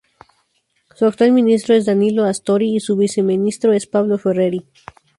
Su actual ministro es Danilo Astori, y su Viceministro es Pablo Ferreri.